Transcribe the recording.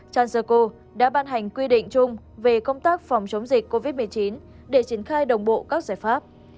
cha sư cô đã ban hành quy định chung về công tác phòng chống dịch covid một mươi chín để triển khai đồng bộ các giải pháp